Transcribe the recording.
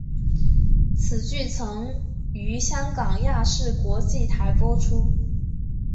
此剧曾于香港亚视国际台播出。